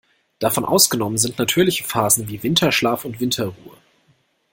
Davon ausgenommen sind natürlich Phasen wie Winterschlaf und Winterruhe.